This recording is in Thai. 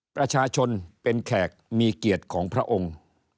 ประชาชนเป็นแขกมีเกียรติของพระองค์